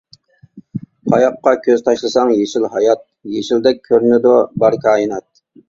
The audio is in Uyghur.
قاياققا كۆز تاشلىساڭ يېشىل ھايات، يېشىلدەك كۆرۈنىدۇ بار كائىنات.